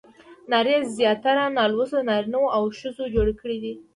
نارې زیاتره نالوستو نارینه وو او ښځو جوړې کړې دي.